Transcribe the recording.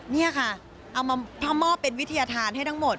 นี่ค่ะเอามามอบเป็นวิทยาธารให้ทั้งหมด